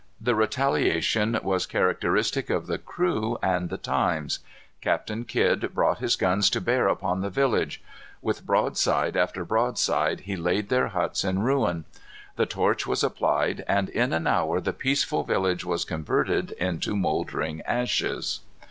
The retaliation was characteristic of the crew and the times. Captain Kidd brought his guns to bear upon the village. With broadside after broadside he laid their huts in ruins. The torch was applied, and in an hour the peaceful village was converted into mouldering ashes.